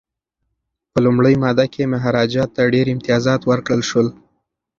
په لومړۍ ماده کي مهاراجا ته ډیر امتیازات ورکړل شول.